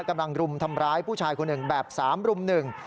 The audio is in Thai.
รุมทำร้ายผู้ชายคนหนึ่งแบบสามรุ่มหนึ่ง